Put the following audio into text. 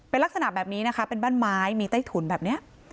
เป็นลักษณะแบบนี้นะคะเป็นบ้านไม้มีใต้ถุนแบบนี้